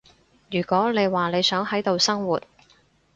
如果你話你想喺度生活